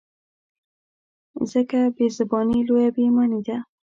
ځکه بې زباني لویه بې ایماني ده.